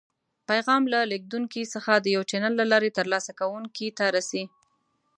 پیغام له لیږدونکي څخه د یو چینل له لارې تر لاسه کوونکي ته رسي.